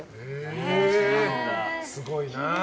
すごいな。